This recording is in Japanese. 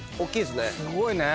すごいね。